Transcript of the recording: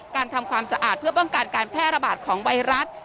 ทำความสะอาดเพื่อป้องกันการแพร่ระบาดของไวรัส